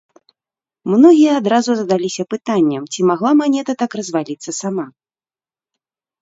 Многія адразу задаліся пытаннем, ці магла манета так разваліцца сама.